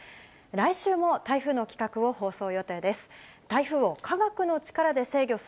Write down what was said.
来週も台風の企画を放送予定です。